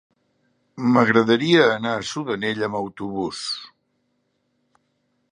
M'agradaria anar a Sudanell amb autobús.